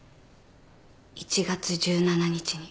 １月１７日に。